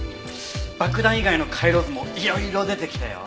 爆弾以外の回路図もいろいろ出てきたよ。